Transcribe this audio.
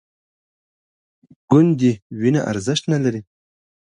ګوندې وینه ارزښت نه لري